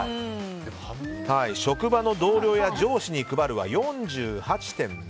職場の同僚や上司に配るのは４８．７％と。